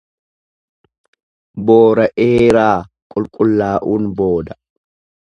Boora'eeraa qulqullaa'uun booda.